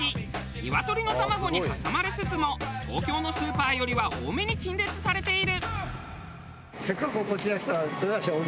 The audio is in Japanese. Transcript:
ニワトリの卵に挟まれつつも東京のスーパーよりは多めに陳列されている。